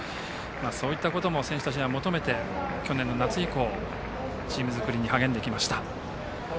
そういったことも選手たちには求めて去年の夏以降チーム作りに励んできました。